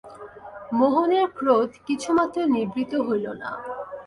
মোহনের ক্রোধ কিছুমাত্র নিবৃত্ত হইল না।